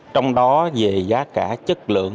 trong đó về giá cả chất lượng